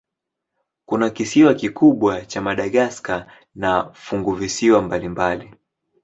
Kuna kisiwa kikubwa cha Madagaska na funguvisiwa mbalimbali.